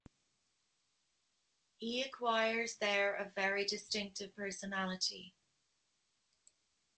He acquires there a very distinctive personality.